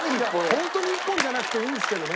ホントに１本じゃなくていいんですけどね。